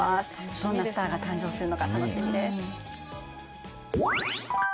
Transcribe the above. どんなスターが誕生するのか楽しみです。